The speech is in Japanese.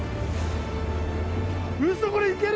うそこれ行ける！？